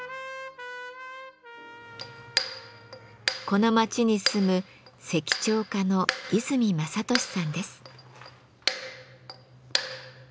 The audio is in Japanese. この町に住む石彫家の和泉正敏さんです。